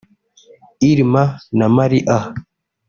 Irma na Maria